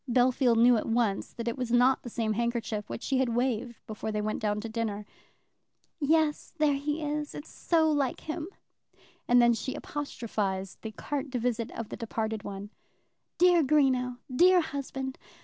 Bellfield knew at once that it was not the same handkerchief which she had waved before they went down to dinner. "Yes, there he is. It's so like him." And then she apostrophized the carte de visite of the departed one. "Dear Greenow; dear husband!